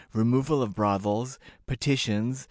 Removal of Brothels. Petitions.